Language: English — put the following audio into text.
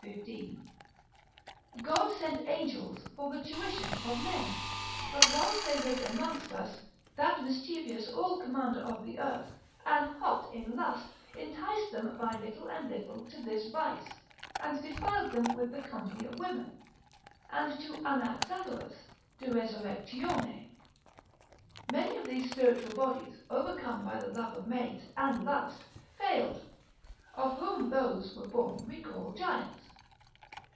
God sent angels to the tuition of men; but whilst they lived amongst us, that mischievous all commander of the earth, and hot in lust, enticed them by little and little to this vice, and defiled them with the company of women: and to Anaxagoras, de resurrect. Many of those spiritual bodies, overcome by the love of maids, and lust, failed, of whom those were born we call giants.